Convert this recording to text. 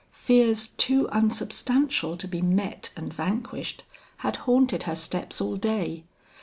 Fears too unsubstantial to be met and vanquished, had haunted her steps all day.